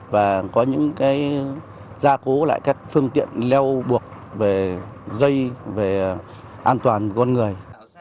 và có những cái gia cố lại các phương tiện leo buộc về dây về an toàn con người